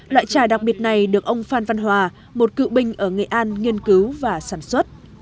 loại trà đặc biệt này được ông phan văn hòa một cựu binh ở nghệ an nghiên cứu và sản xuất